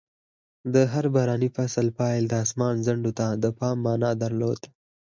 د هر باراني فصل پیل د اسمان ځنډو ته د پام مانا درلود.